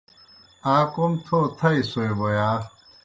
آ کوْم تھو تھائیسوئے بوْ یا؟